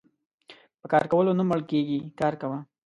په کار کولو نه مړکيږي کار کوه .